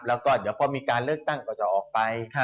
แล้วก็เดี๋ยวพอมีการเลือกตั้งก็จะออกไป